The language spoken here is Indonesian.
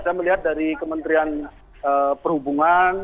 saya melihat dari kementerian perhubungan